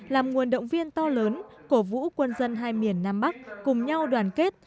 làm nguồn động viên to lớn cổ vũ quân dân hai miền nam bắc cùng nhau đoàn kết